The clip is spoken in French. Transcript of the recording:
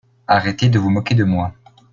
Arrêtez de vous moquer de moi.